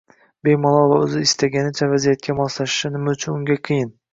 Bemalol va o‘zi istaganicha vaziyatga moslashishi nima uchun unga qiyin?